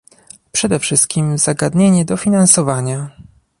Przede wszystkim zagadnienie dofinansowania